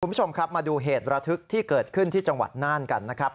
คุณผู้ชมครับมาดูเหตุระทึกที่เกิดขึ้นที่จังหวัดน่านกันนะครับ